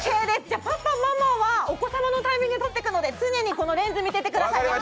パパ、ママはお子さんのタイミングで撮っていくので常にこのレンズを見ててください。